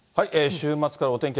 週末からお天気